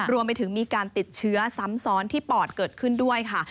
รวมไปถึงมีการติดเชื้อซ้ำซ้อนที่ปอดเกิดขึ้นด้วยค่ะ